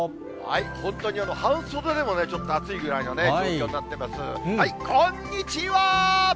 本当に半袖でも、ちょっと暑いぐらいなね、状況になってます。